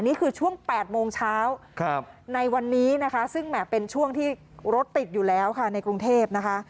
นี่คือช่วง๘โมงเช้าในวันนี้นะคะซึ่งแหม่เป็นช่วงที่รถติดอยู่แล้วค่ะในกรุงเทพนะคะ